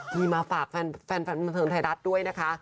มีมาฝากแฟนบันเทิงไทยรัฐด้วยนะคะ